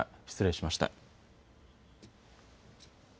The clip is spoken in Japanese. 失礼しました。